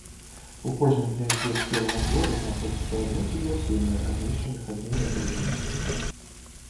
У кожным гняздзе спелага плода знаходзіцца адно ці два семя, размешчаных адзін на другім.